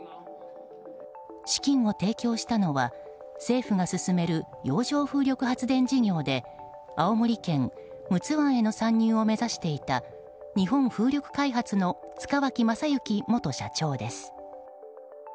資金を提供したのは政府が進める洋上風力発電事業で青森県、陸奥湾への参入を目指していた日本風力開発の塚脇正幸元社長です。